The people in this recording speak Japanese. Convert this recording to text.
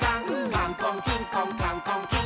「カンコンキンコンカンコンキン！」